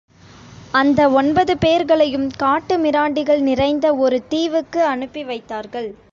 அந்த ஒன்பது பேர்களையும் காட்டுமிராண்டிகள் நிறைந்த ஒரு தீவுக்கு அனுப்பி வைத்தார்கள்.